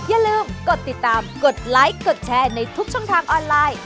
อย่าลืมกดติดตามกดไลค์กดแชร์ในทุกช่องทางออนไลน์